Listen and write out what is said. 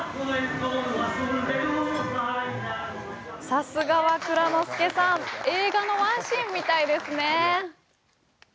さすがは蔵之介さん、映画のワンシーンみたいですね！